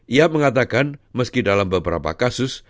ia mengatakan meski dalam beberapa kasus